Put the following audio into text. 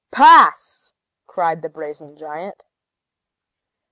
"Pass!" cried the brazen giant.